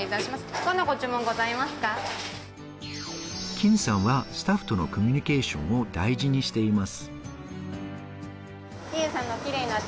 金さんはスタッフとのコミュニケーションを大事にしています。